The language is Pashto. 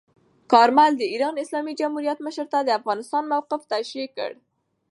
کارمل د ایران اسلامي جمهوریت مشر ته د افغانستان موقف تشریح کړ.